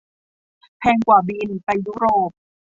แพงกว่าบิน ไปยุโรป